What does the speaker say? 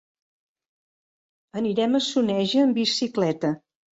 Anirem a Soneja amb bicicleta.